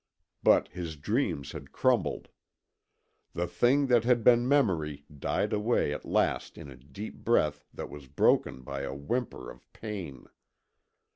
But his dreams had crumbled. The thing that had been Memory died away at last in a deep breath that was broken by a whimper of pain.